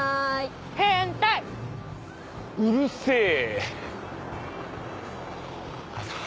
うるせぇ。